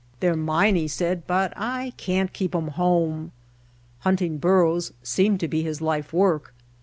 "They're mine," he said, "but I can't keep 'em home." Hunting burros seemed to be his life work.